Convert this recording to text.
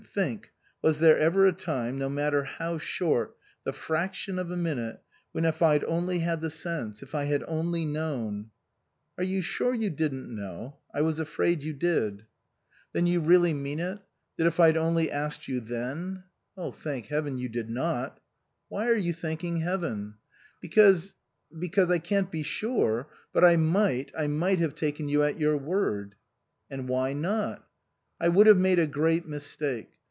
Think was there ever a time, no matter how short, the fraction of a minute, when if I'd only had the sense, if I had only known "" Are you sure you didn't know ? I was afraid you did." 172 OUTWARD BOUND " Then you really mean it that if I'd only asked you then "" Thank Heaven, you did not !"" Why are you thanking Heaven ?"" Because because I can't be sure, but I might I might have taken you at your word." "And why not?" "I would have made a great mistake.